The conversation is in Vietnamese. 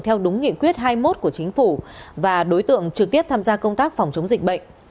theo đúng nghị quyết hai mươi một của chính phủ và đối tượng trực tiếp tham gia công tác phòng chống dịch bệnh